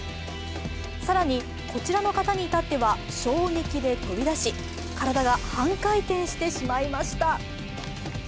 更に、こちらの方に至っては衝撃で飛び出し、体が半回転してしまいました。